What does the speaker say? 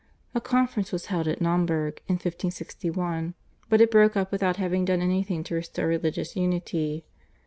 A conference was held at Naumburg in 1561, but it broke up without having done anything to restore religious unity.